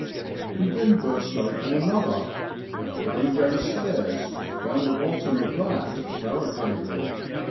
We then burst open another, and going down stairs found the bottom of that barricaded.